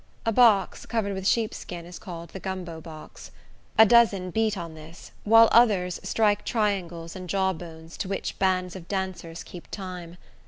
A box, covered with sheepskin, is called the gumbo box. A dozen beat on this, while other strike triangles and jawbones, to which bands of dancers keep time.